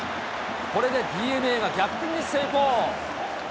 これでＤｅＮＡが逆転に成功。